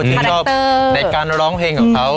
ชื่นชอบในการร้องเพลงของเขา